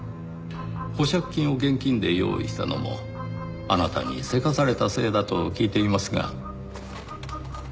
保釈金を現金で用意したのもあなたに急かされたせいだと聞いていますが。